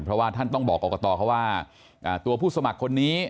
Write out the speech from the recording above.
เพราะว่าท่านต้องบอกกรกตเขาว่าตัวผู้สมัครคนนี้